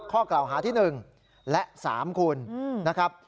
ข้อกล่าวหาที่๑และ๓คุณนะครับ